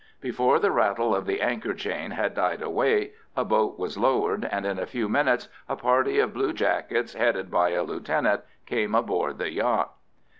Before the rattle of the anchor chain had died away a boat was lowered, and in a few minutes a party of bluejackets, headed by a lieutenant, came aboard the yacht.